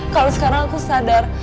kalo sekarang aku sadar